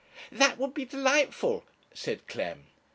'That would be delightful,' said Clem.